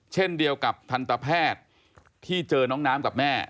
เช่นเดียวกับทันตแพทย์ที่เจอน้องน้ำกับแม่